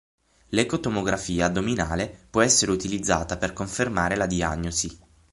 L'ecotomografia addominale può essere utilizzata per confermare la diagnosi.